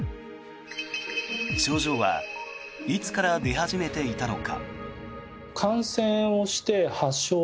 症状はいつから出始めていたのか。